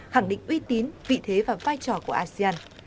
khẳng định uy tín vị thế và vai trò của asean